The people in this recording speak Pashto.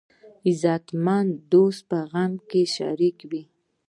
غیرتمند د دوست په غم کې شریک وي